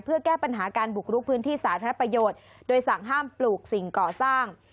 เพื่อแก้ปัญหาการบุกรุกพื้นที่สาธารณประโยชน์โดยสั่งห้ามปลูกสิ่งก่อสร้าง